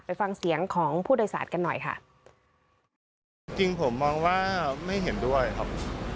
ไปฟังเสียงของผู้โดยสารกันหน่อยค่ะจริงผมมองว่าไม่เห็นด้วยครับ